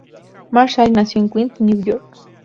Marshall nació en Queens, Nueva York.